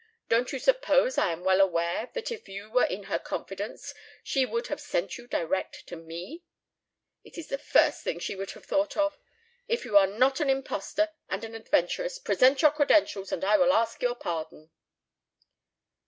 Don't you suppose I am well aware that if you were in her confidence she would have sent you direct to me? It is the first thing she would have thought of. If you are not an impostor and an adventuress present your credentials and I will ask your pardon."